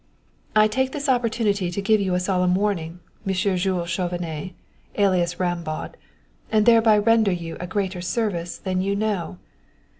"I take this opportunity to give you a solemn warning, Monsieur Jules Chauvenet, alias Rambaud, and thereby render you a greater service than you know.